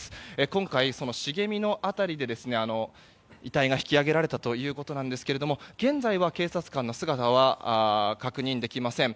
今回、その茂みの辺りで遺体が引き上げられたということですが現在は警察官の姿は確認できません。